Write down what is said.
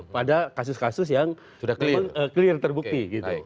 pada kasus kasus yang clear terbukti